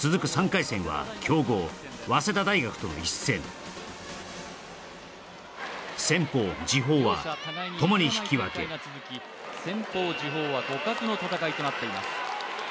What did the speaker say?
３回戦は強豪早稲田大学との一戦先鋒次鋒は共に引き分け先鋒次鋒は互角の戦いとなっています